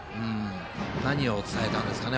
何を伝えたんですかね。